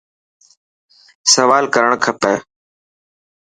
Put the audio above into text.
سوال ڪرڻ کٽي.